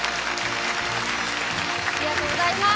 ありがとうございます！